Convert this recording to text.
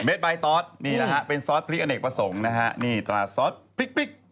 เม็ดใบโต๊ะเป็นซอสพริกอเนกประสงค์